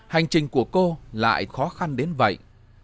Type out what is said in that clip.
hành trình của cô lại khó khăn đến vậy